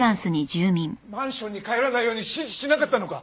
マンションに帰らないように指示しなかったのか！？